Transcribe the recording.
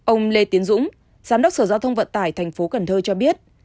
ông lê tiến dũng giám đốc sở giao thông vận tải tp hcm cho biết